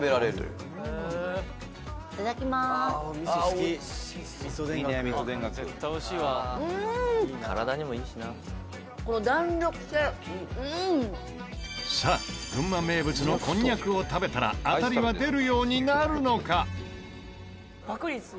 「うん！」さあ群馬名物のこんにゃくを食べたら当たりは出るようになるのか？